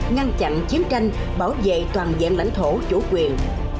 ngăn chặn chiến tranh bảo vệ toàn diện lãnh thổ chủ quyền